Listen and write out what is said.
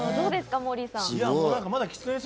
モーリーさん。